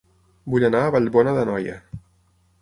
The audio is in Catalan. Vull anar a Vallbona d'Anoia